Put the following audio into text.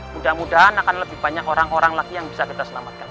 mudah mudahan akan lebih banyak orang orang lagi yang bisa kita selamatkan